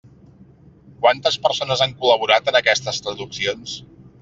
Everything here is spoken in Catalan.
Quantes persones han col·laborat en aquestes traduccions?